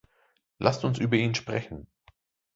Lasst uns über ihn sprechen.